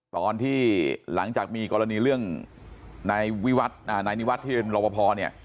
ตอนที่หลังจากมีกรณีเรื่องนายนีวัฒน์ที่เป็นรอปภเนี่ย